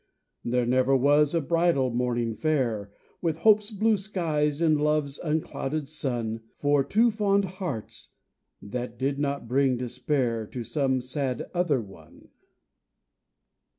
There never was a bridal morning fair With hope's blue skies and love's unclouded sun For two fond hearts, that did not bring despair To some sad other one.